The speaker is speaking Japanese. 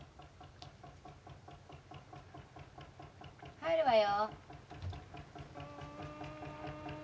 ・入るわよ。